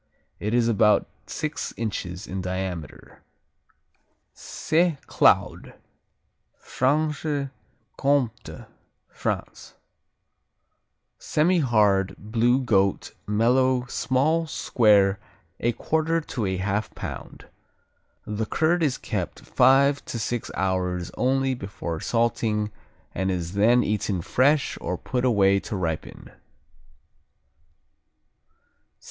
It is about six inches in diameter. Saint Claude Franche Comté, France Semihard; blue; goat; mellow; small; square; a quarter to a half pound. The curd is kept five to six hours only before salting and is then eaten fresh or put away to ripen.